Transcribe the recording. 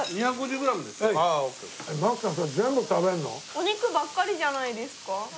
お肉ばっかりじゃないですか？